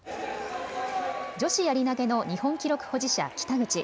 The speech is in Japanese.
女子やり投げの日本記録保持者、北口。